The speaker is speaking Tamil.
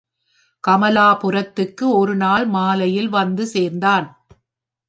கமலாபுரத்துக்கு ஒருநாள் மாலையில் வந்து சேர்ந்தான்.